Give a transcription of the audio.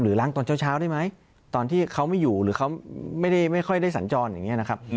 ล้างตอนเช้าได้ไหมตอนที่เขาไม่อยู่หรือเขาไม่ค่อยได้สัญจรอย่างนี้นะครับ